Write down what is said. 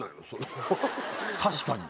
確かに。